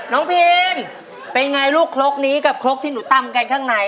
น้องพีมเป็นยังไงลูกโค๊กนี้กับโค๊กที่หนูตั้งกันข้างใน